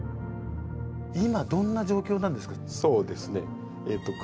今どんな状況なんですか？